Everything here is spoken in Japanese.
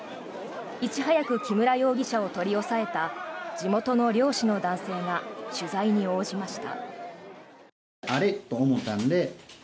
いち早く木村容疑者を取り押さえた地元の漁師の男性が取材に応じました。